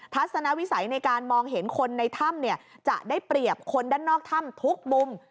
ทัศนวิสัยในการมองเห็นคนในถ้ำจะได้เปรียบคนด้านนอกถ้ำทุกมุม